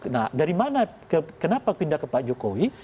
nah dari mana kenapa pindah ke pak jokowi